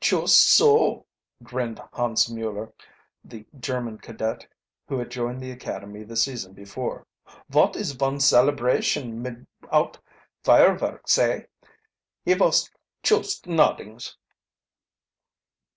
"Chust so!" grinned Hans Muelle, the German cadet who had joined the academy the season before. "Vot is von celebration midowit firevorks, hey? He vos chust noddings!"